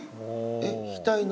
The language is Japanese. えっ額の。